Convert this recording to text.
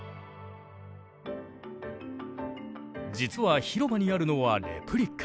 実は広場にあるのはレプリカ。